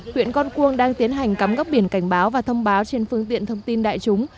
huyện con cuông đang tiến hành cắm góc biển cảnh báo và thông báo trên phương tiện thông tin đại chúng